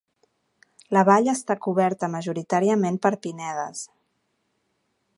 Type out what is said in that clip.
La vall està coberta majoritàriament per pinedes.